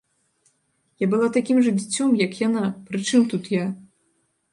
Я была такім жа дзіцём, як яна, прычым тут я?!